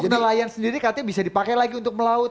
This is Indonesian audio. untuk nelayan sendiri katanya bisa dipakai lagi untuk pelayanan